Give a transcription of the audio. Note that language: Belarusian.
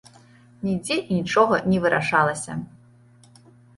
Нідзе і нічога не вырашалася!